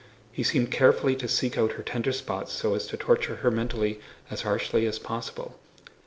He seemed carefully to seek out her tender spots so as to torture her mentally as harshly as possible.